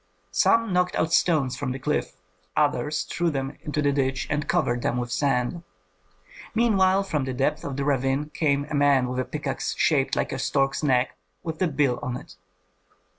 Some knocked out stones from the cliff; others threw them into the ditch and covered them with sand. Meanwhile from the depth of the ravine came a man with a pickaxe shaped like a stork's neck with the bill on it.